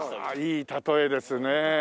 いい例えですね。